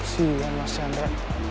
sian mas sandra